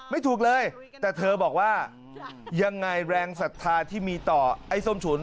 ไม่ถูกเลยแต่เธอบอกว่ายังไงแรงศรัทธาที่มีต่อไอ้ส้มฉุน